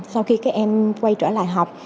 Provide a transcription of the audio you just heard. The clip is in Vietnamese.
sau khi các em quay trở lại học